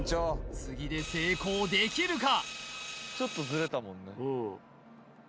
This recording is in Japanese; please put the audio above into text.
次で成功できるか？